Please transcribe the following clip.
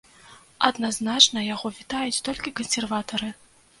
Адназначна яго вітаюць толькі кансерватары.